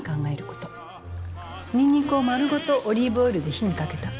ニンニクを丸ごとオリーブオイルで火にかけた。